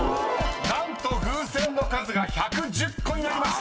［何と風船の数が１１０個になりました］